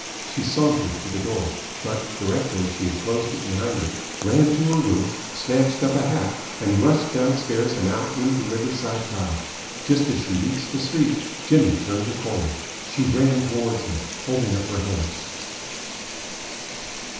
She sauntered to the door, but, directly she had closed it behind her, ran to her room, snatched up a hat, and rushed downstairs and out into Riverside Drive. Just as she reached the street, Jimmy turned the corner. She ran towards him, holding up her hands.